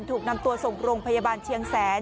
ถูกนำตัวส่งโรงพยาบาลเชียงแสน